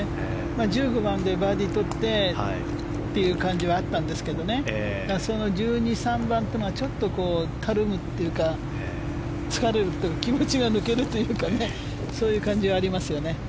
１５番でバーディー取ってという感じはあったんですけど１２１３番というのがちょっとたるむというか疲れるというか気持ちが抜けるというかそういう感じがありますね。